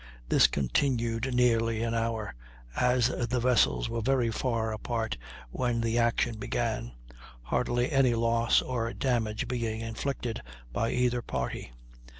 This continued nearly an hour, as the vessels were very far apart when the action began, hardly any loss or damage being inflicted by either party.